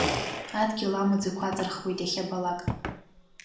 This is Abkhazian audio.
Адгьыл амаӡақәа аҵырхуеит иахьабалак…